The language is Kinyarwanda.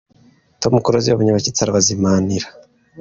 Tom Close iyo yabonye abashyitsi arabazimanira.